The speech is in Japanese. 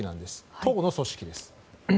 党の組織です。